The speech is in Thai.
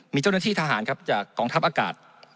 มีเจ้าหน้าที่ทหารครับจากกองทัพอากาศ